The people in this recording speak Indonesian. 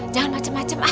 jangan macem macem ah